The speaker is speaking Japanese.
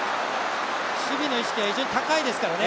守備の意識は非常に高いですからね。